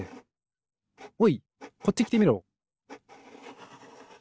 おいこっちきてみろ。